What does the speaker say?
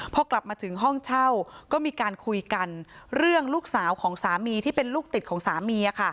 พอกลับมาถึงห้องเช่าก็มีการคุยกันเรื่องลูกสาวของสามีที่เป็นลูกติดของสามี